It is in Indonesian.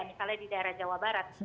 misalnya di daerah jawa barat